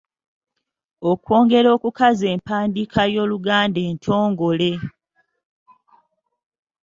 Okwongera okukaza empandiika y’Oluganda entongole.